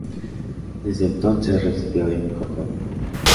Desde entonces residió en Concordia.